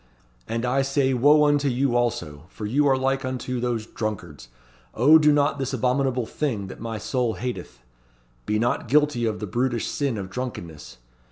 And I say Wo unto you also, for you are like unto those drunkards. 'O do not this abominable thing that my soul hateth.' Be not guilty of the brutish sin of drunkenness.